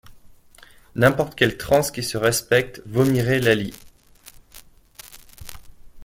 N'importe quel trans qui se respecte vomirait Laly.